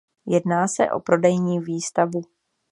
Jedná se o prodejní výstavu.